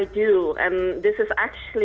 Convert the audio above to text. dan ini sebenarnya dimulai